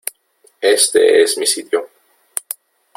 Este es mi sitio .